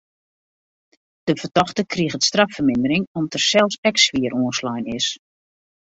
De fertochte kriget straffermindering om't er sels ek swier oanslein is.